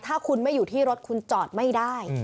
ถ้าคุณไม่อยู่ที่รถคุณจอดไม่ได้